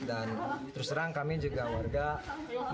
dan terus terang kami juga warga masih